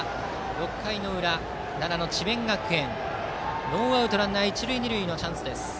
６回の裏、奈良の智弁学園ノーアウトランナー、一塁二塁のチャンス。